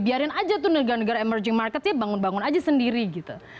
biarin aja tuh negara negara emerging market ya bangun bangun aja sendiri gitu